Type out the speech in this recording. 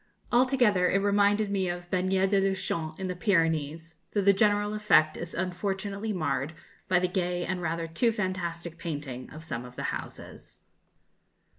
Altogether it reminded me of Bagnères de Luchon, in the Pyrenees, though the general effect is unfortunately marred by the gay and rather too fantastic painting of some of the houses.